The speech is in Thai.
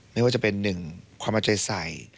ไม่ว่าจะเป็นหนึ่งความอาจารย์ใส